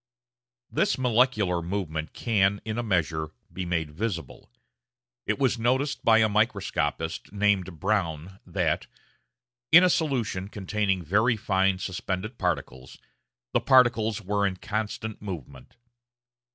This molecular movement can, in a measure, be made visible. It was noticed by a microscopist named Brown that, in a solution containing very fine suspended particles, the particles were in constant movement.